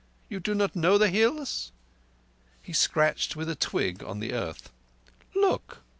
You do not know the Hills?" He scratched with a twig on the earth. "Look!